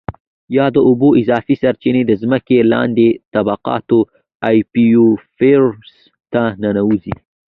یا د اوبو اضافي سرچېنې د ځمکې لاندې طبقاتو Aquifers ته ننوځي.